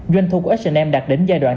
doanh thu của h m đạt đến giai đoạn